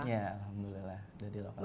iya alhamdulillah dari lokal semua